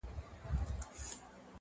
هم راغلي كليوال وه هم ښاريان وه،